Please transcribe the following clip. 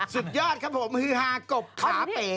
สุดยอดครับค่ะหือหากกปขาเป๋